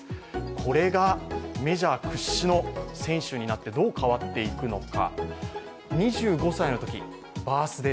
これがメジャー屈指の選手になってどう変わっていくのか。